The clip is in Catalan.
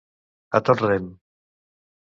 A tot rem.